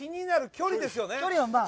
距離はまあ。